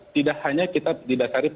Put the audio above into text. tidak hanya kita didasari pada skop